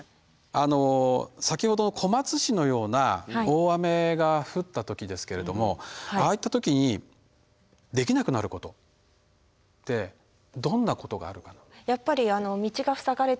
先ほど小松市のような大雨が降った時ですけれどもああいった時にできなくなることってどんなことがあるかな？